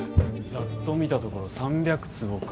ざっと見たところ３００坪か。